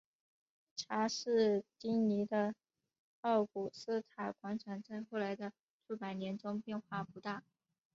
查士丁尼的奥古斯塔广场在后来的数百年中变化不大。